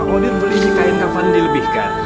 fakudil beli kain kapan dilebihkan